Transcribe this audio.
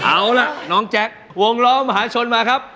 เอาล่ะน้องแจ๊ควงล้อมหาชนมาครับ